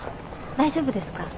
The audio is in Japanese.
大丈夫ですか？